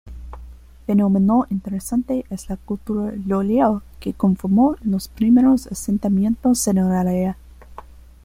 Fenómeno interesante es la Cultura Llolleo que conformó los primeros asentamientos en el área.